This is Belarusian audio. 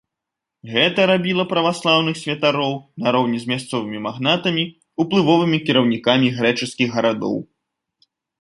Гэта рабіла праваслаўных святароў, нароўні з мясцовымі магнатамі, уплывовымі кіраўнікамі грэчаскіх гарадоў.